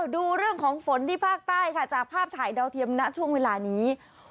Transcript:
ดูเรื่องของฝนที่ภาคใต้ค่ะจากภาพถ่ายดาวเทียมณช่วงเวลานี้